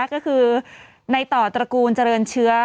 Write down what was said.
ก็คือในต่อตระกูลเจริญเชื้อ